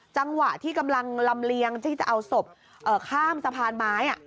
จังหวะที่กำลังลำเลียงที่จะเอาศพข้ามสะพานไม้